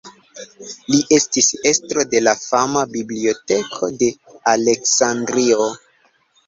Li estis estro de la fama Biblioteko de Aleksandrio.